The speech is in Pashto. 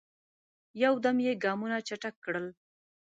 یو دم یې ګامونه چټک کړل.